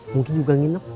mungkin juga nginep